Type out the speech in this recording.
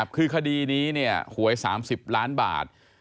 คือคดีนี้หวย๓๐ล้านบาท